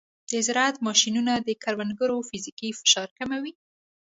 د زراعت ماشینونه د کروندګرو فزیکي فشار کموي.